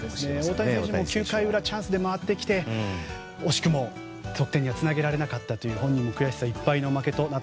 大谷選手も９回裏チャンスで回ってきて、惜しくも得点にはつなげられなかった本人も悔しさいっぱいでしたが。